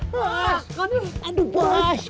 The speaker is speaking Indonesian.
tuh ambil saya curut